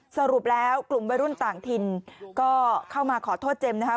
สรุปแล้วกลุ่มวัยรุ่นต่างถิ่นก็เข้ามาขอโทษเจมส์นะครับ